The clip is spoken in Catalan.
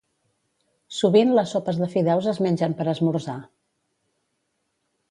Sovint les sopes de fideus es mengen per esmorzar.